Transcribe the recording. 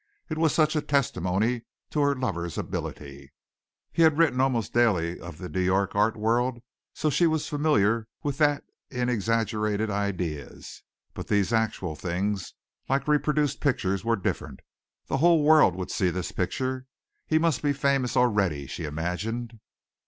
It was such a testimony to her lover's ability. He had written almost daily of the New York art world, so she was familiar with that in exaggerated ideas, but these actual things, like reproduced pictures, were different. The whole world would see this picture. He must be famous already, she imagined.